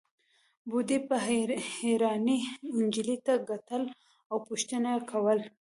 بوډۍ په حيرانۍ نجلۍ ته کتل او پوښتنې يې کولې.